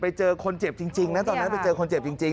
ไปเจอคนเจ็บจริงนะตอนนั้นไปเจอคนเจ็บจริง